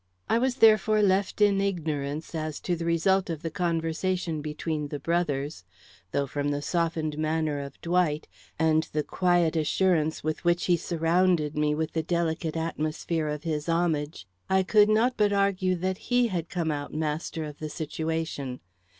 I was, therefore, left in ignorance as to the result of the conversation between the brothers, though from the softened manner of Dwight, and the quiet assurance with which he surrounded me with the delicate atmosphere of his homage, I could not but argue that he had come out master of the situation.